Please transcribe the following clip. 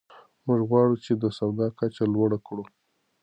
موږ غواړو چې د سواد کچه لوړه کړو.